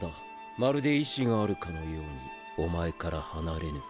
まるで意志があるかのようにおまえから離れぬ。